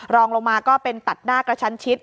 รองลงมาก็เป็นตัดหน้ากระชั้นชิด